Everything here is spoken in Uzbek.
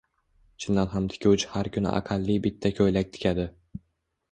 Chindan ham tikuvchi har kuni aqalli bitta ko’ylak tikadi.